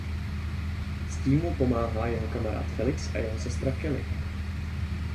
S tím mu pomáhá jeho kamarád Felix a jeho sestra Kelly.